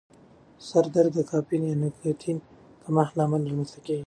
سر درد د کافین یا نیکوتین د کمښت له امله رامنځته کېږي.